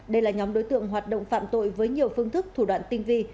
đây là nhóm đối tượng hoạt động phạm tội với nhiều phương thức thủ đoạn tinh vi